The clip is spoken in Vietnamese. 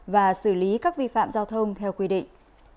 và xử lý các vi phạm giao thông theo quy định